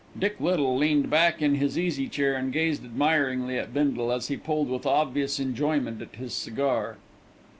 Dick Little leaned back in his easy chair and gazed admiringly at Bindle, as he pulled with obvious enjoyment at his cigar.